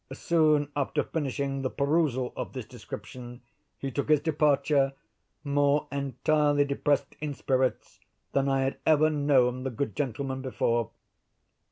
Soon after finishing the perusal of this description, he took his departure, more entirely depressed in spirits than I had ever known the good gentleman before.